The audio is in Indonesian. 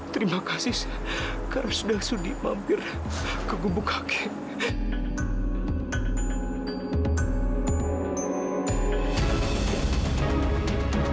terima kasih kak rasudah sudah mampir ke gumbu kakek